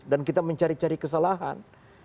dan kita mencari cari kesalahan